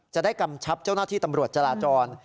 กำชับเจ้าหน้าที่ตำรวจจราจร